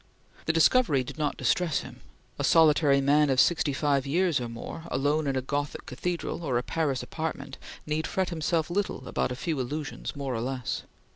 The discovery did not distress him. A solitary man of sixty five years or more, alone in a Gothic cathedral or a Paris apartment, need fret himself little about a few illusions more or less.